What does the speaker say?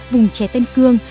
vùng trẻ tân cương